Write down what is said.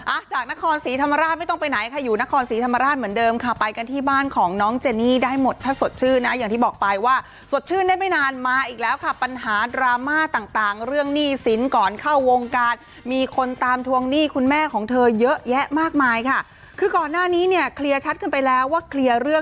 อ่ะจากนครศรีธรรมราชไม่ต้องไปไหนค่ะอยู่นครศรีธรรมราชเหมือนเดิมค่ะไปกันที่บ้านของน้องเจนี่ได้หมดถ้าสดชื่นนะอย่างที่บอกไปว่าสดชื่นได้ไม่นานมาอีกแล้วค่ะปัญหาดราม่าต่างต่างเรื่องหนี้สินก่อนเข้าวงการมีคนตามทวงหนี้คุณแม่ของเธอเยอะแยะมากมายค่ะคือก่อนหน้านี้เนี่ยเคลียร์ชัดขึ้นไปแล้วว่าเคลียร์เรื่อง